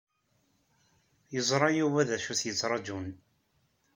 Yeẓra Yuba d acu i t-yettrajun.